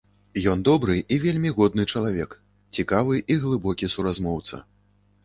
Ён добры і вельмі годны чалавек, цікавы і глыбокі суразмоўца.